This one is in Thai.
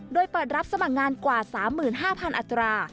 โดยเปิดรับสมัครงานกว่า๓๕๐๐อัตรา